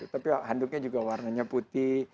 tapi handuknya juga warnanya putih